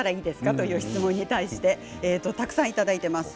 という質問に対してたくさんいただいています。